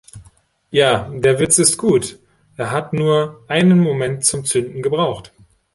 Ja, der Witz ist gut! Er hat nur einen Moment zum Zünden gebraucht.